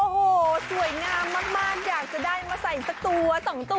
โอ้โหสวยงามมากอยากจะได้มาใส่สักตัวสองตัว